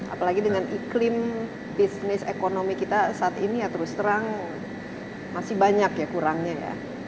apalagi dengan iklim bisnis ekonomi kita saat ini ya terus terang masih banyak ya kurangnya ya